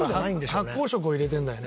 発酵食を入れてるんだよね。